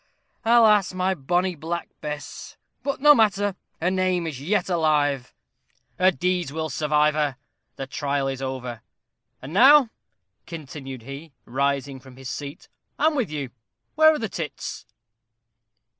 alas! my bonny Black Bess! But no matter, her name is yet alive her deeds will survive her the trial is over. And now," continued he, rising from his seat, "I'm with you. Where are the tits?"